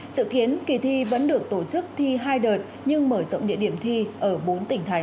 sự kiến kỳ thi vẫn được tổ chức thi hai đợt nhưng mở rộng địa điểm thi ở bốn tỉnh thành